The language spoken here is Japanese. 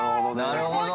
なるほど。